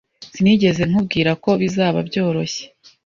Sinigeze nkubwira ko bizaba byoroshye.